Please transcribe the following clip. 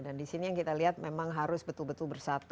dan di sini yang kita lihat memang harus betul betul bersatu